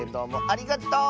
ありがとう！